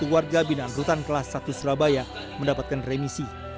satu ratus delapan puluh satu warga binaan rutan kelas satu surabaya mendapatkan remisi